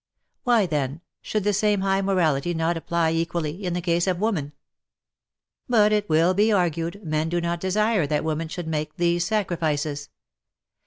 Why, then, should the same high morality not apply equally in the case of woman ? But, it will be argued, men do not desire that women should make these sacrifices.